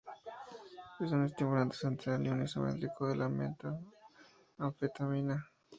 Es un estimulante central y un isómero de la meta-anfetamina.